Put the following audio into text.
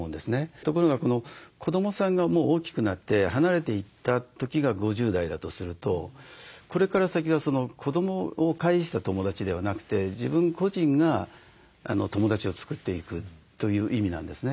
ところが子どもさんが大きくなって離れていった時が５０代だとするとこれから先は子どもを介した友だちではなくて自分個人が友だちを作っていくという意味なんですね。